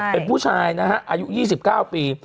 เป็นผู้ชายนะฮะอายุ๒๙ปี